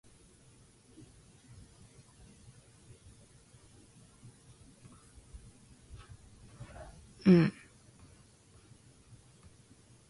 After leaving Focus, he continued as a solo artist, adding jazz fusion influences.